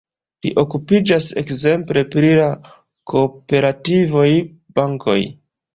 Li okupiĝas ekzemple pri la kooperativoj, bankoj.